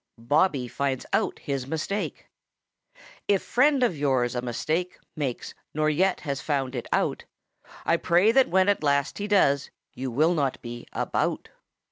BOBBY FINDS OUT HIS MISTAKE If friend of yours a mistake makes Nor yet has found it out, I pray that when at last he does You will not be about.